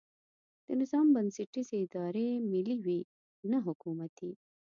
د نظام بنسټیزې ادارې ملي وي نه حکومتي.